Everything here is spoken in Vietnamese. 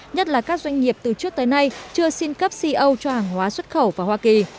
nhất là các doanh nghiệp từ trước tới nay chưa xin cấp co cho hàng hóa xuất khẩu vào hoa kỳ